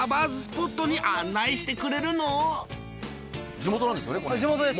地元なんですよね？